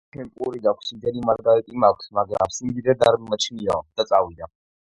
რაც შენ პური გაქვს, იმდენი მარგალიტი მაქვს, მაგრამ სიმდიდრედ არ მიმაჩნიაო, და წავიდა.